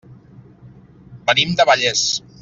Venim de Vallés.